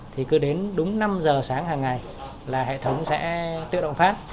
thì cứ đến đúng năm giờ sáng hàng ngày là hệ thống sẽ tự động phát